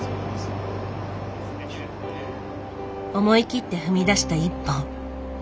思い切って踏み出した一歩。